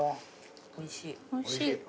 おいしい。